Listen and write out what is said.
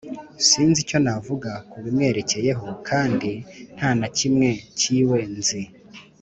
Sinzi icyo navuga kubimwerekeyeho Kandi ntanakimwe kiwe nzi